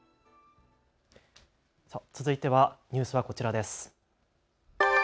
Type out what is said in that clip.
続いてはニュースはこちらです。